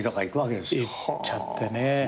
行っちゃってね。